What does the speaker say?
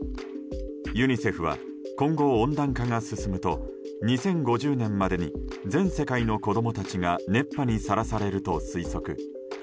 ユニセフは今後、温暖化が進むと２０５０年までに全世界の子供たちが熱波にさらされると推測。